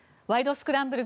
スクランブル」